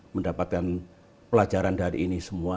mendapatkan pelajaran dari ini semua